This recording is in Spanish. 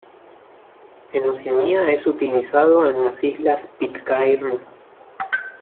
En Oceanía es utilizado en las islas Pitcairn.